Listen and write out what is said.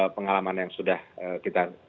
pengalaman yang sudah kita